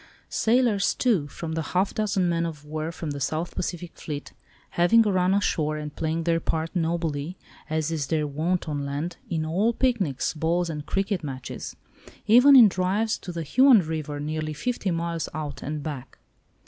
Sailors too, from the half dozen men of war from the South Pacific fleet, having a run ashore, and playing their part nobly, as is their wont on land, in all picnics, balls and cricket matches, even in drives to the Huon River nearly fifty miles out and back.